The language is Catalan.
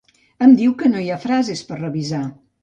Em diu que no hi ha frases per revisar.